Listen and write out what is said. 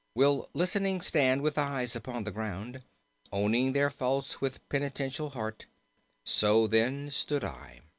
Will listening stand with eyes upon the ground. Owning their faults with penitential heart, So then stood I."